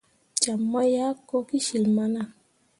Jam mu yah ko kecil mana.